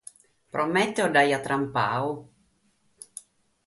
Promèteu l’aiat trampadu.